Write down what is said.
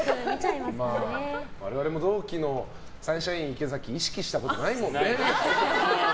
我々も同期のサンシャイン池崎意識したことないもんね。